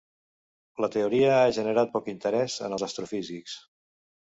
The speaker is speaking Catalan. La teoria ha generat poc interès en els astrofísics.